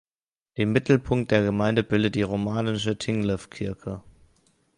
Den Mittelpunkt der Gemeinde bildet die romanische "Tinglev Kirke".